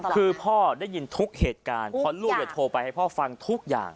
เพราะลูกจะโทรไปให้พ่อฟังทุกอย่าง